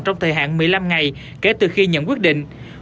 trong thời hạn một mươi năm ngày kể từ khi nhận quyết định